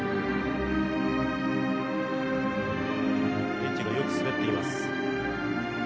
エッジがよく滑っています。